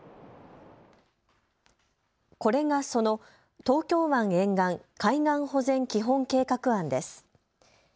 これがその東京湾沿岸海岸保全基本計画案です。